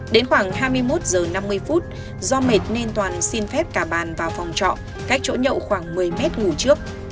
đến khoảng hai mươi một h năm mươi do mệt nên toàn xin phép cả bàn vào phòng trọ cách chỗ nhậu khoảng một mươi mét ngủ trước